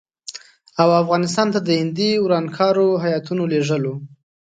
او افغانستان ته د هندي ورانکارو هیاتونه لېږل وو.